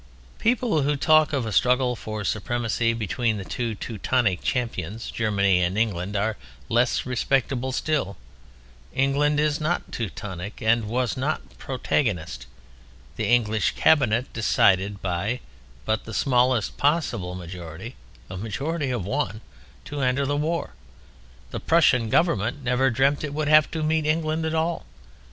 People who talk of "A struggle for supremacy between the two Teutonic champions Germany and England" are less respectable still. England is not Teutonic, and was not protagonist. The English Cabinet decided by but the smallest possible majority (a majority of one) to enter the war. The Prussian Government never dreamt it would have to meet England at all.